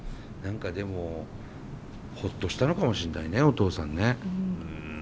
何かでもほっとしたのかもしんないねお父さんね。